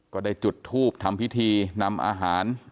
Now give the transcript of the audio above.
ก็ได้จุดทูบทำพิธีนำอาหาร